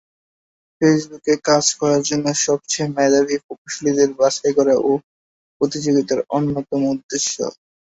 ফেসবুকে কাজ করার জন্য সবচেয়ে মেধাবী প্রকৌশলীদের বাছাই করা এই প্রতিযোগিতার অন্যতম উদ্দেশ্য।